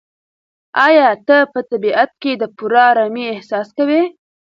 ایا ته په طبیعت کې د پوره ارامۍ احساس کوې؟